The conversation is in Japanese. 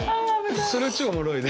それ超おもろいね。